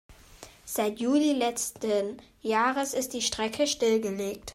Seit Juli letzten Jahres ist die Strecke stillgelegt.